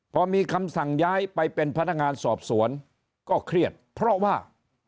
พอมีคำสั่งย้ายไปเป็นพนักงานสอบสวนก็เครียดเพราะว่า